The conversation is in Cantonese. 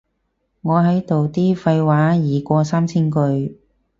我喺度啲廢話已過三千句